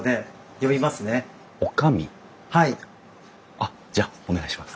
あっじゃあお願いします。